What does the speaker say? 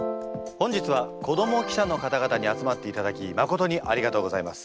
本日は子ども記者の方々に集まっていただきまことにありがとうございます。